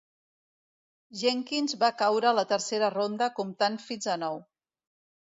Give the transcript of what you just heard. Jenkins va caure a la tercera ronda comptant fins a nou.